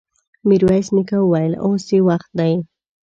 ميرويس نيکه وويل: اوس يې وخت دی!